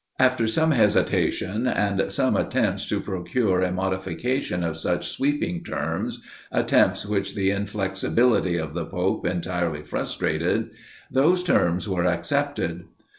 After much hesitation, and some attempts to procure a modification of such sweeping terms, attempts which the inflexibility of the pope entirely frustrated, those terms were accepted.